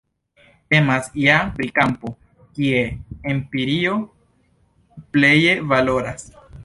Temas ja pri kampo, kie empirio pleje valoras.